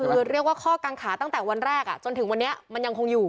คือเรียกว่าข้อกังขาตั้งแต่วันแรกจนถึงวันนี้มันยังคงอยู่